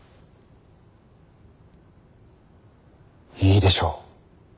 いいでしょう。